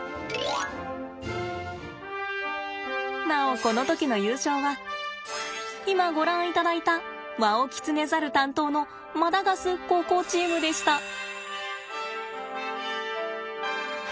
なおこの時の優勝は今ご覧いただいたワオキツネザル担当の馬太加須高校チームでした。